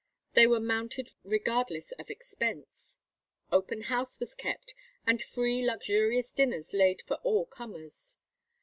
They were mounted regardless of expense. Open house was kept, and free luxurious dinners laid for all comers.